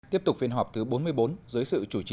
tiếp tục phiên họp thứ bốn mươi bốn dưới sự chủ trì